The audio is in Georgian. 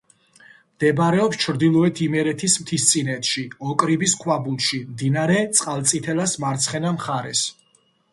მდებარეობს ჩრდილოეთ იმერეთის მთისწინეთში, ოკრიბის ქვაბულში, მდინარე წყალწითელას მარცხენა მხარეს.